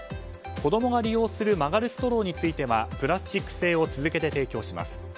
子供が利用する曲がるストローについてはプラスチック製を続けて提供します。